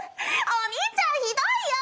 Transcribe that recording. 「お兄ちゃんひどいよ！」